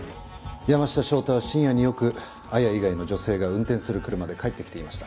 山下翔太は深夜によく彩矢以外の女性が運転する車で帰ってきていました。